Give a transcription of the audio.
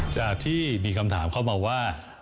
จากที่มีคำถามเข้ามาว่า